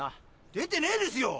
出てねえですよ！